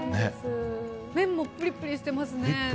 麺もプリプリしてますね。